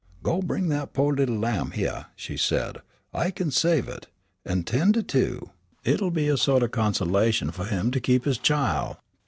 "Go bring that po' little lamb hyeah," she said. "I kin save it, an' 'ten' to two. It'll be a sort of consolation fu' him to keep his chile."